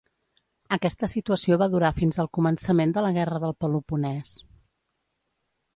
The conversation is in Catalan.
Aquesta situació va durar fins al començament de la guerra del Peloponès.